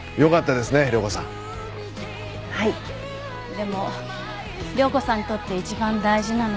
でも涼子さんにとって一番大事なのは。